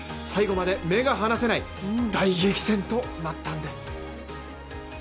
最後まで目が離せない大激戦となったんです。